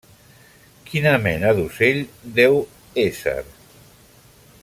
¿quina mena d'ocell deu ésser?